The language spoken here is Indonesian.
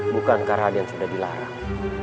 bukankah raden sudah dilarang